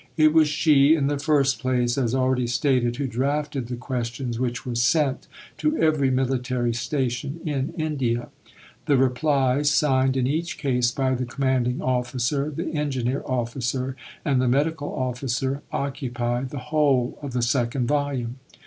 It was she, in the first place, as already stated, who drafted the questions which were sent to every military station in India. The replies, signed in each case by the commanding officer, the engineer officer, and the medical officer, occupy the whole of the second volume.